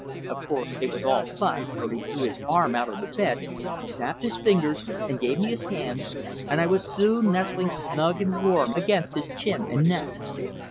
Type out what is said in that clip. Of course it was all fun, for he threw his arm out of the bed, snapped his fingers, and gave me his hand, and I was soon nestling snug and warm against his chin and neck.